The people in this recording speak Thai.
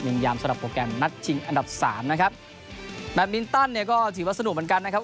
ยามสำหรับโปรแกรมนัดชิงอันดับสามนะครับแบบมินตันเนี่ยก็ถือว่าสนุกเหมือนกันนะครับ